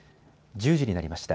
１０時になりました。